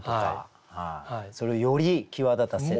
それをより際立たせる。